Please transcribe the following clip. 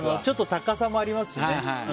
ちょっと高さもありますしね。